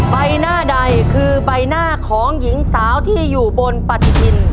ใบหน้าใดคือใบหน้าของหญิงสาวที่อยู่บนปฏิทิน